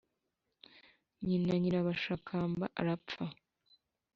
nyina nyirabashakamba arapfa.